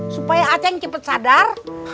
supaya aceng cepet sadar